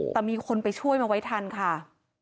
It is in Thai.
แต่มีคนไปช่วยมาไว้ทันค่ะ